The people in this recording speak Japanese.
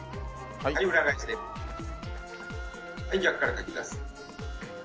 はい逆から書きだす。